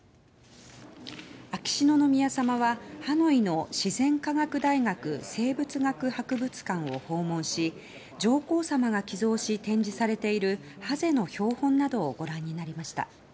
秋篠宮さまは、ハノイの自然科学大学生物学博物館を訪問し上皇さまが寄贈し展示されているハゼの標本などをご覧になりました。